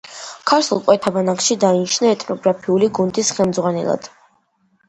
ქართველ ტყვეთა ბანაკში დაინიშნა ეთნოგრაფიული გუნდის ხელმძღვანელად.